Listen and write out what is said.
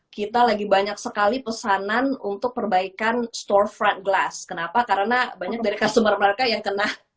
kita lagi banyak sekali pesanan untuk perbaikan store fraud glass kenapa karena banyak dari customer mereka yang kena